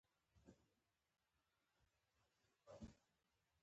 افغانان څه استعداد لري؟